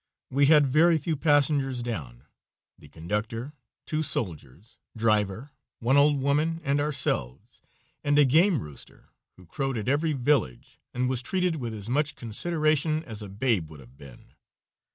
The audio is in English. We had very few passengers down, the conductor, two soldiers, driver, one old woman and ourselves, and a game rooster, who crowed at every village, and was treated with as much consideration as a babe would have been.